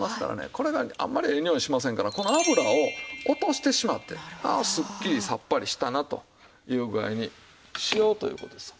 これがあんまりええにおいしませんからこの油を落としてしまってああすっきりさっぱりしたなという具合にしようという事ですよ。